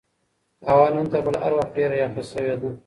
هوا نن تر بل هر وخت ډېره یخه شوې ده.